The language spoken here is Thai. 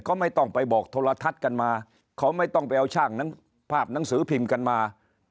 ก็ไม่ต้องไปบอกโทรทัศน์กันมาเขาไม่ต้องไปเอาช่างภาพหนังสือพิมพ์กันมา